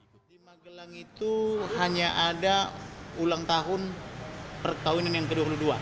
di magelang itu hanya ada ulang tahun perkawinan yang ke dua puluh dua